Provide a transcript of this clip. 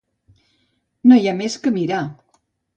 No hi ha més que mirar.